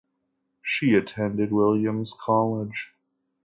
She attended Williams College.